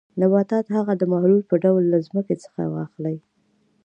نباتات هغه د محلول په ډول له ځمکې څخه واخلي.